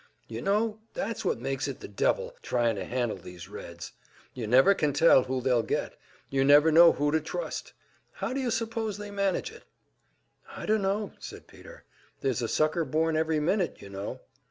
You know, that's what makes it the devil trying to handle these Reds you never can tell who they'll get; you never know who to trust. How, d'you suppose they manage it?" "I dunno," said Peter. "There's a sucker born every minute, you know!"